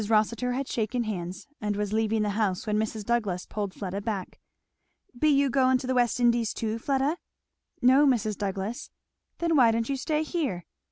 Rossitur had shaken hands and was leaving the house when Mrs. Douglass pulled Fleda back. "Be you going to the West Indies too, Fleda?" "No, Mrs. Douglass." "Then why don't you stay here?"